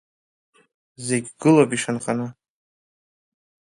Зегь гылоуп ишанханы.